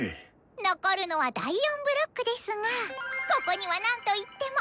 残るのは第４ブロックですがここにはなんといっても！